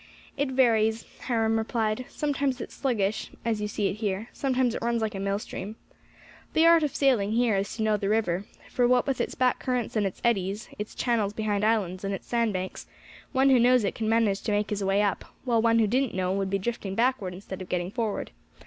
"It varies," Hiram replied; "sometimes it's sluggish, as you see it here, sometimes it runs like a mill stream. The art of sailing here is to know the river; for what with its back currents and its eddies, its channels behind islands and its sandbanks, one who knows it can manage to make his way up, while one who didn't know would be drifting backward instead of getting forward.